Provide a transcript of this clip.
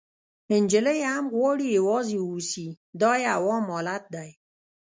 نجلۍ هم غواړي یوازې واوسي، دا یو عام حالت دی.